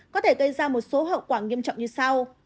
có thể gây ra một số hậu quả nghiêm trọng như sau